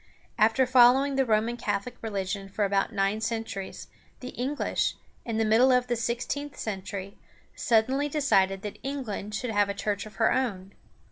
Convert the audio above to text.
After following the Roman Catholic religion for about nine centuries, the English, in the middle of the sixteenth century, suddenly decided that England should have a church of her own.